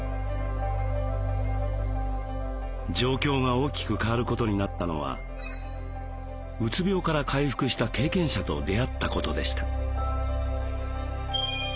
状況が大きく変わることになったのはうつ病から回復した経験者と出会ったことでした。